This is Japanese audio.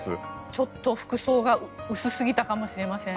ちょっと服装が薄すぎたのかもしれません。